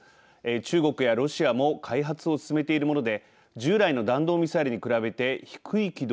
中国やロシアも開発を進めているもので従来の弾道ミサイルに比べて低い軌道を長時間飛びます。